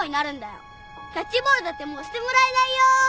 キャッチボールだってもうしてもらえないよ。